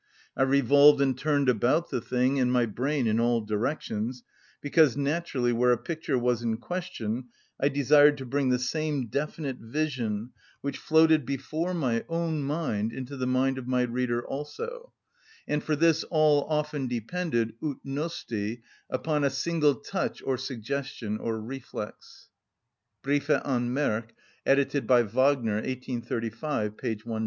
I revolved and turned about the thing and my brain in all directions, because naturally, where a picture was in question, I desired to bring the same definite vision, which floated before my own mind into the mind of my reader also, and for this all often depends, ut nosti, upon a single touch or suggestion or reflex" (Briefe an Merck, edited by Wagner, 1835, p. 193).